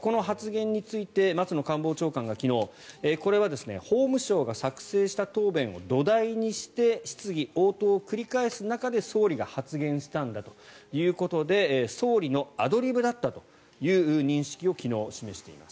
この発言について松野官房長官が昨日これは法務省が作成した答弁を土台にして質疑応答を繰り返す中で総理が発言したんだということで総理のアドリブだったという認識を昨日、示しています。